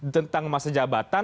tentang masa jabatan